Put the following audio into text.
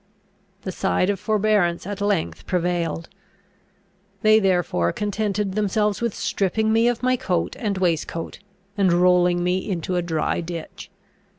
The side of forbearance at length prevailed. They therefore contented themselves with stripping me of my coat and waistcoat, and rolling me into a dry ditch.